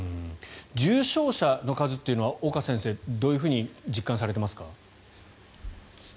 重症者の数というのは岡先生、どういうふうに実感されていますか？